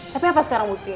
tapi apa sekarang buktinya